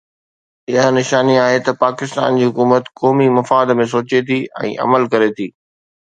اها نشاني آهي ته پاڪستان جي حڪومت قومي مفاد ۾ سوچي ٿي ۽ عمل ڪري ٿي.